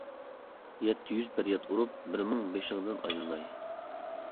يەتتە يۈز پەرياد ئۇرۇپ، بىرمىڭ بېشىڭدىن ئايلىناي.